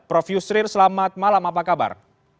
prof yusril selamat malam apa kabar